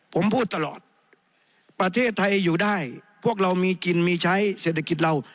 ผมพูดตลอดประเทศไทยอยู่ได้พวกเรามีกินมีใช้เศรษฐกิจเรา